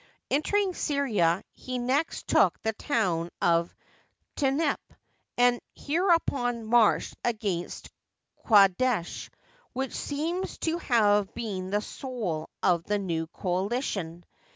Entering Syria he next took the town of Tunep, and hereupon marched against Qadesk, which seems to have been the soul of the new coalition.